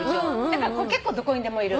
これ結構どこにでもいる。